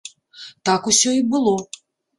Так усё і было.